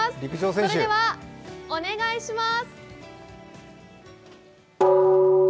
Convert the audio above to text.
それではお願いします。